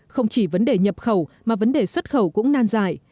không chỉ vấn đề nhập khẩu mà vấn đề xuất khẩu cũng nan dài